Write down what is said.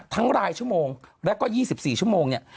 รายชั่วโมงแล้วก็๒๔ชั่วโมงเนี่ย